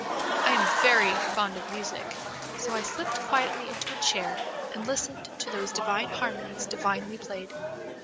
I am very fond of music, so I slipped quietly into a chair and listened to those divine harmonies divinely played.